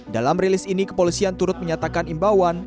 dalam rilis ini kepolisian turut menyatakan imbauan